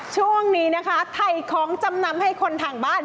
ช่วงนี้นะคะถ่ายของจำนำให้คนทางบ้าน